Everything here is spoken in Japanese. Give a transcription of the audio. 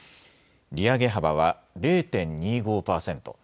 利上げ幅は０．２５％。